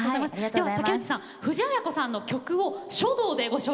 では竹内さん藤あや子さんの曲を書道でご紹介